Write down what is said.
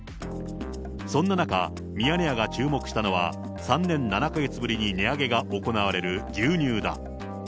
そんな中、ミヤネ屋が注目したのは、３年７か月ぶりに値上げが行われる牛乳だ。